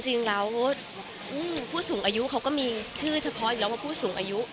จริงแล้วผู้สูงอายุเขาก็มีชื่อเฉพาะอยู่แล้วว่าผู้สูงอายุ